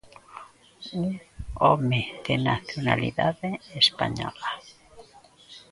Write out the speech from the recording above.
Un home de nacionalidade española.